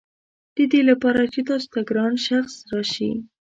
ددې لپاره چې تاسو ته ګران شخص راشي.